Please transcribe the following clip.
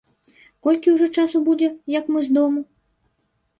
Колькі ўжо часу будзе, як мы з дому?